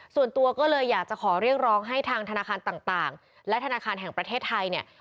ส่วนตัวก็เลยอยากจะขอเรียกร้องให้ทางธนาคารต่างและธนาคารแห่งประเทศไทยเนี่ย